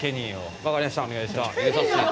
分かりました。